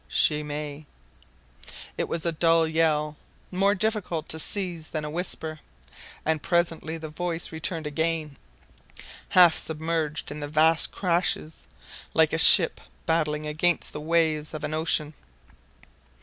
"She may!" It was a dull yell, more difficult to seize than a whisper. And presently the voice returned again, half submerged in the vast crashes, like a ship battling against the waves of an ocean.